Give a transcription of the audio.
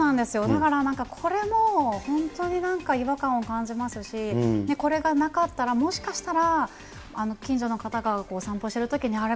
だからこれも、本当になんか、違和感を感じますし、これがなかったら、もしかしたら、近所の方が散歩してるときに、あれ？